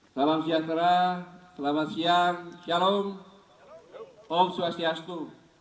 salam sejahtera selamat siang shalom om swastiastu